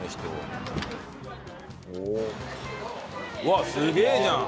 うわっすげえじゃん。